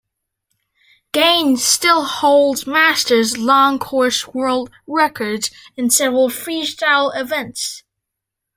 Gaines still holds masters long course world records in several freestyle events.